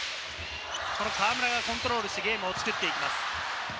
河村がコントロールしてゲームを作っていきます。